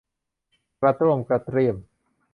กระต้วมกระเตี้ยม